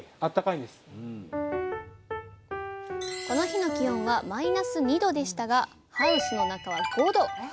この日の気温はマイナス２℃でしたがハウスの中は５℃。